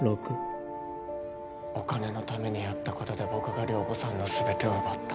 お金のためにやったことで僕が涼子さんの全てを奪った。